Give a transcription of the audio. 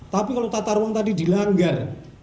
tapi kalau tata ruang tadi dilanggar